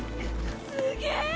すげえ！